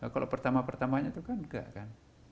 kalau pertama pertamanya itu kan enggak kan